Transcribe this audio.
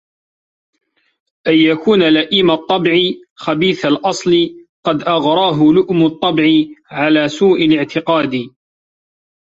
أَنْ يَكُونَ لَئِيمَ الطَّبْعِ خَبِيثَ الْأَصْلِ قَدْ أَغْرَاهُ لُؤْمُ الطَّبْعِ عَلَى سُوءِ الِاعْتِقَادِ